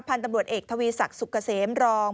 พันธุ์ตำรวจเอกทวีศักดิ์สุกเกษมรอง